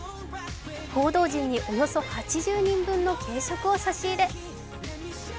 報道陣におよそ８０人分の軽食を差し入れ。